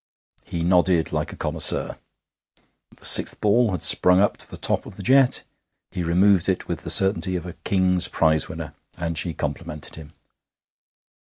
He nodded like a connoisseur. The sixth ball had sprung up to the top of the jet. He removed it with the certainty of a King's Prize winner, and she complimented him.